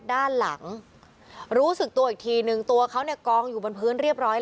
ด้านหลังรู้สึกตัวอีกทีนึงตัวเขาเนี่ยกองอยู่บนพื้นเรียบร้อยแล้ว